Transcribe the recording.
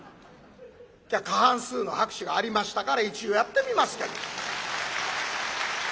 じゃあ過半数の拍手がありましたから一応やってみますけど。